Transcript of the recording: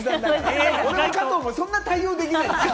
俺も加藤もそんなに対応できないのよ。